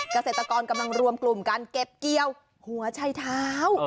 เกษตรกรกำลังรวมกลุ่มการเก็บเกี่ยวหัวชัยเท้า